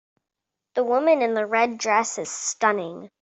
The woman in the red dress is stunning.